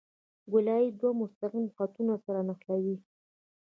ګولایي دوه مستقیم خطونه سره نښلوي